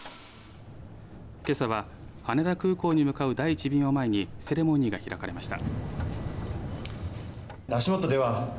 けさは、羽田空港に向かう第１便を前にセレモニーが開かれました。